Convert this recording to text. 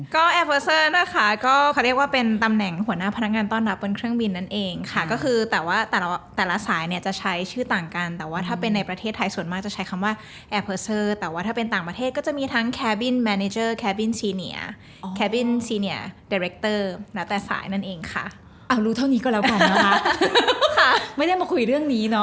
ก็แอร์เพอร์เซอร์นะคะก็เขาเรียกว่าเป็นตำแหน่งหัวหน้าพนักงานต้อนรับบนเครื่องบินนั่นเองค่ะก็คือแต่ว่าแต่ละสายเนี่ยจะใช้ชื่อต่างกันแต่ว่าถ้าเป็นในประเทศไทยส่วนมากจะใช้คำว่าแอร์เพอร์เซอร์แต่ว่าถ้าเป็นต่างประเทศก็จะมีทั้งแคบินแมนเจอร์แคบินซีเนียร์แคบินซีเนียร์ดิเร